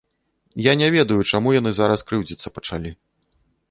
Я не ведаю, чаму яны зараз крыўдзіцца пачалі.